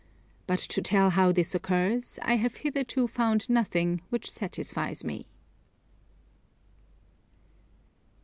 But to tell how this occurs, I have hitherto found nothing which satisfies me.